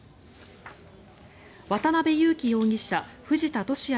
渡邉優樹容疑者藤田聖也